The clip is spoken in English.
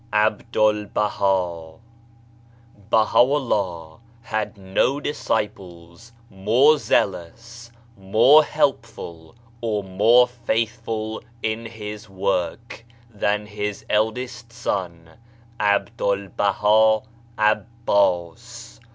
'ABDU'L BAHA Baha'u'llah had no disciples more zealous, more helpful or more faithful in his work, than his eldest son ( Abdu'l Baha ' Abbas.